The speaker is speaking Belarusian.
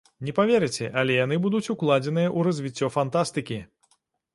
Не паверыце, але яны будуць укладзеныя ў развіццё фантастыкі.